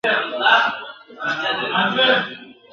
وروستۍ ورځ ..